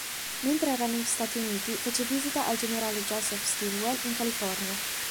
Mentre era negli Stati Uniti, fece visita al generale Joseph Stilwell, in California.